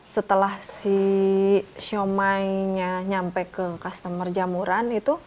setelah si si omanya nyampe ke customer jamuran itu